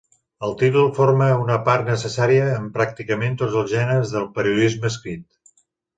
El títol forma una part necessària en pràcticament tots els gèneres del periodisme escrit.